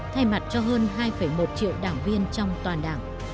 thay mặt cho hơn hai một triệu đảng viên trong toàn đảng